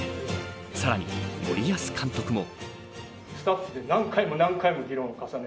さらに、森保監督も。